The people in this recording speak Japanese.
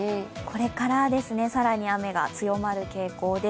これから更に雨が強まる傾向で、